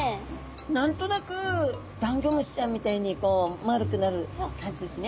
何となくダンギョムシちゃんみたいにこう丸くなる感じですね。